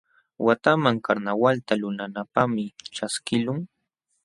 Watanman karnawalta lulananpaqmi ćhaskiqlun.